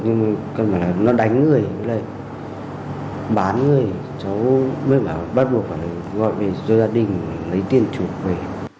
nhưng mà nó đánh người bán người cháu mới bắt buộc phải gọi về cho gia đình lấy tiền trục về